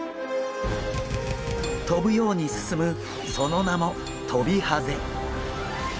跳ぶように進むその名もトビハゼ。